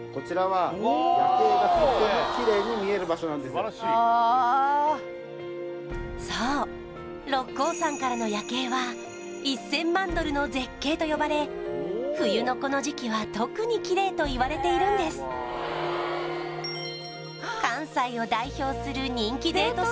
そうはいああそう六甲山からの夜景は１０００万ドルの絶景と呼ばれ冬のこの時期は特にきれいと言われているんです関西を代表する人気デート